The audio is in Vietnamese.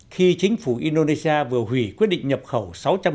khi chính phủ indonesia vừa hủy quyết định xuất khẩu gạo vào thị trường trung quốc